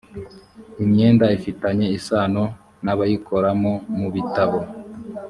imyenda ifitanye isano n abayikoramo mu bitabo